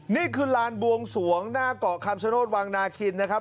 นี่คือลานบวงสวงหน้าเกาะคำชโนธวังนาคินนะครับ